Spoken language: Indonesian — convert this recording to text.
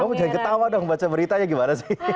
kamu jangan ketawa dong baca beritanya gimana sih